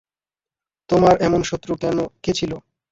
তোমার এমন শত্রু কে ছিল!